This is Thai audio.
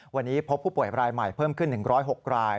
วันนี้พบผู้ป่วยรายใหม่เพิ่มขึ้น๑๐๖ราย